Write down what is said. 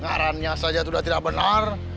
kearannya saja sudah tidak benar